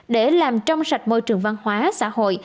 để làm trong sạch môi trường văn hóa xã hội